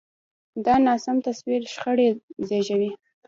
دا ناسم تصور شخړې زېږوي.